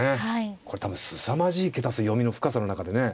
これ多分すさまじい桁数読みの深さの中でね。